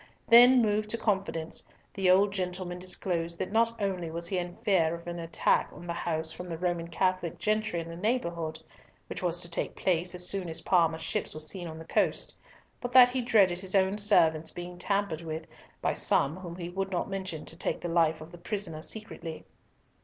Then moved to confidence, the old gentleman disclosed that not only was he in fear of an attack on the house from the Roman Catholic gentry in the neighbourhood, which was to take place as soon as Parma's ships were seen on the coast, but that he dreaded his own servants being tampered with by some whom he would not mention to take the life of the prisoner secretly.